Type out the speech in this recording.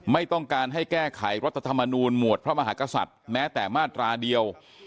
ไม่ต้องการให้แก้ไขรัฐธรรมนูลหมวดพระมหากษัตริย์แม้แต่มาตราเดียว